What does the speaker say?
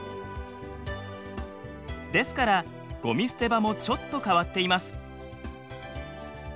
ですからゴミ捨て場もちょっと変わっています。